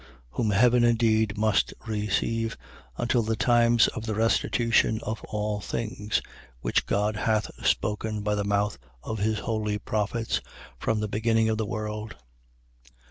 3:21. Whom heaven indeed must receive, until the times of the restitution of all things, which God hath spoken by the mouth of his holy prophets, from the beginning of the world.